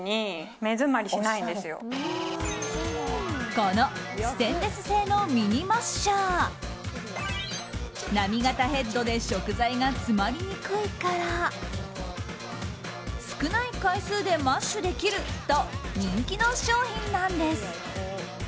このステンレス製のミニマッシャー波形ヘッドで食材が詰まりにくいから少ない回数でマッシュできると人気の商品なんです。